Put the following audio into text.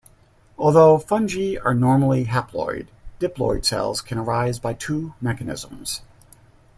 Although fungi are normally haploid, diploid cells can arise by two mechanisms.